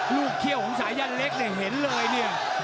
เขี้ยวของสายันเล็กเนี่ยเห็นเลยเนี่ย